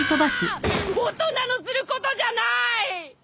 大人のすることじゃない！